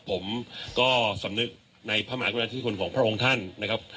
ผมก็สำนึกในพระมหากรุณาธิคุณของพระองค์ท่านนะครับ